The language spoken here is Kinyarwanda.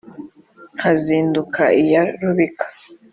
nkazinduka iya rubika